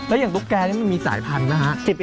แล้วอย่างตุ๊กแกนี่มันมีสายพันธุ์นะฮะ